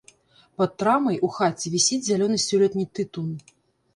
Пад трамай у хаце вісіць зялёны сёлетні тытун.